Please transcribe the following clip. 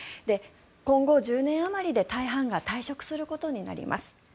今後１０年あまりで大半が退職することになります。